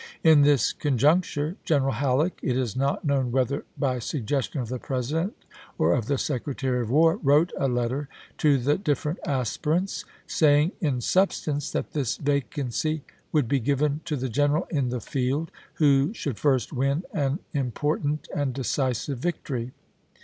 In this con juncture General Halleck, it is not known whether by suggestion of the President or of the Secretary of War, wrote a letter to the different aspirants, saying in substance that this vacancy would be given to the general in the field who should first win an important and decisive victory.